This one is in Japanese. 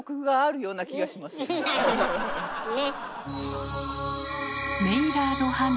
ねっ。